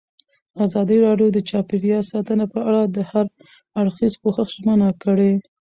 ازادي راډیو د چاپیریال ساتنه په اړه د هر اړخیز پوښښ ژمنه کړې.